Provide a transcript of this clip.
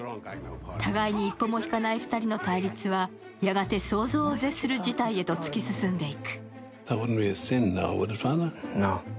互いに一歩も引かない２人の対立はやがて想像を絶する事態へと突き進んでいく。